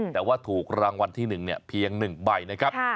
แต่ว่าถูกรางวัลที่๑เพียง๑ใบนะครับ